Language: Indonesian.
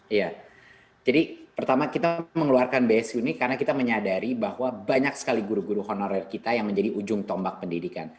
iya jadi pertama kita mengeluarkan bsu ini karena kita menyadari bahwa banyak sekali guru guru honorer kita yang menjadi ujung tombak pendidikan